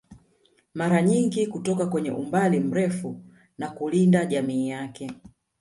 Mara nyingi kutoka kwenye umbali mrefu na kulinda jamii yake